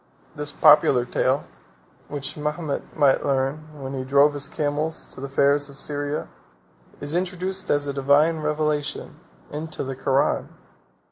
This popular tale, which Mahomet might learn when he drove his camels to the fairs of Syria, is introduced as a divine revelation, into the Koran.